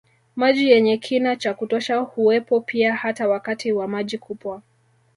Maji yenye kina cha kutosha huwepo pia hata wakati wa maji kupwa